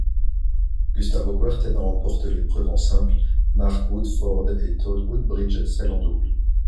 Gustavo Kuerten remporte l'épreuve en simple, Mark Woodforde et Todd Woodbridge celle en double.